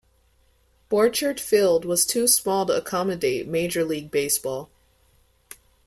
Borchert Field was too small to accommodate Major League Baseball.